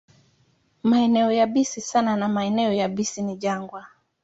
Maeneo yabisi sana na maeneo yabisi ni jangwa.